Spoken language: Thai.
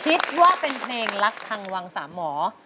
คิดว่าเป็นเพลงรักทางวังสามหมอ